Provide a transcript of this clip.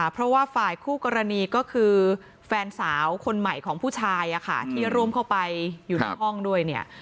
เพราะว่าฝ่ายคู่กรณีก็คือแฟนสาวคนใหม่ของผู้ชายที่ร่วมเข้าไปอยู่ในห้องด้วยเนี่ย